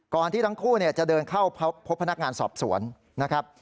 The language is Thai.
ที่ทั้งคู่จะเดินเข้าพบพนักงานสอบสวนนะครับ